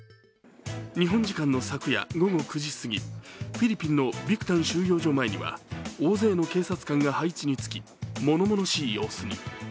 日本時間の昨夜午後９時過ぎ、フィリピンのビクタン収容所前には大勢の警察官が配置につき、物々しい様子に。